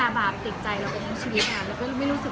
บางครั้งเป็นการเกี่ยวตัดจีกให้ใจ